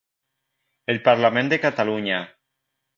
El Parlament de Catalunya